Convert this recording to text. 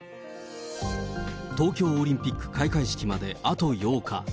東京オリンピック開会式まであと８日。